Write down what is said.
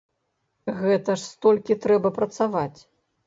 Гэта ж столькі трэба працаваць.